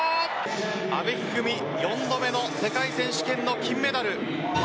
阿部一二三４度目の世界選手権の金メダル。